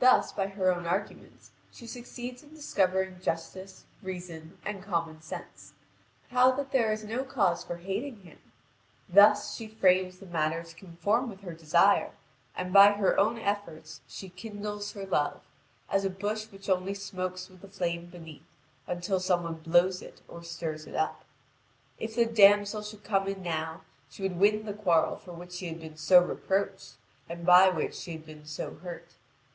Thus, by her own arguments she succeeds in discovering justice, reason, and common sense, how that there is no cause for hating him; thus she frames the matter to conform with her desire, and by her own efforts she kindles her love, as a bush which only smokes with the flame beneath, until some one blows it or stirs it up. If the damsel should come in now, she would win the quarrel for which she had been so reproached, and by which she had been so hurt.